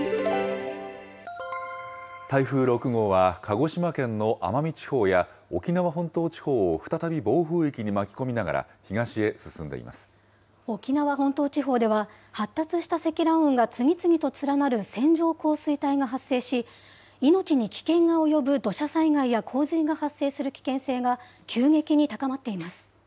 台風６号は、鹿児島県の奄美地方や沖縄本島地方を再び暴風域に巻き込みながら沖縄本島地方では、発達した積乱雲が次々と連なる線状降水帯が発生し、命に危険が及ぶ土砂災害や洪水が発生する危険性が急激に高まっています。